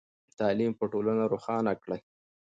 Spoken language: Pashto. تعلیم به ټولنه روښانه کړئ.